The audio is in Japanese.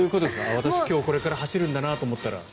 私今日、これから走るんだなと思ったら？